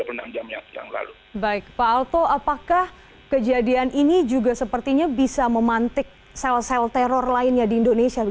baik pak alto apakah kejadian ini juga sepertinya bisa memantik sel sel teror lainnya di indonesia